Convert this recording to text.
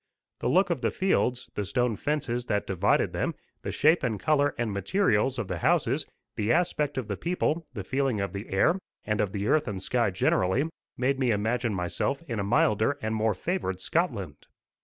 The look of the fields, the stone fences that divided them, the shape and colour and materials of the houses, the aspect of the people, the feeling of the air, and of the earth and sky generally, made me imagine myself in a milder and more favoured Scotland.